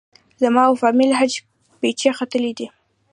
زما او فامیل حج پچې ختلې دي.